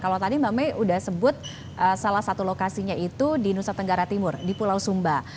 kalau tadi mbak may sudah sebut salah satu lokasinya itu di nusa tenggara timur di pulau sumba